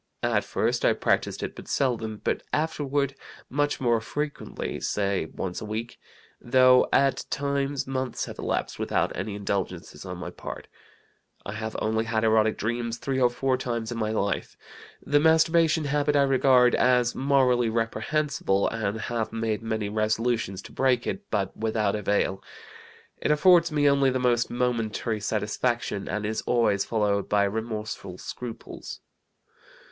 At first I practised it but seldom, but afterward much more frequently (say, once a week), though at times months have elapsed without any indulgences on my part. I have only had erotic dreams three or four times in my life. The masturbation habit I regard as morally reprehensible and have made many resolutions to break it, but without avail. It affords me only the most momentary satisfaction, and is always followed by remorseful scruples.